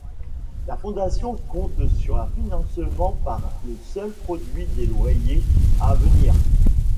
La fondation compte sur un financement par le seul produit des loyers à venir.